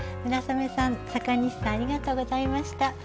村雨さん阪西さんありがとうございました。